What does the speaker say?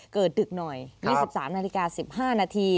เกิดดึกหน่อย๒๓นาที๑๕นาที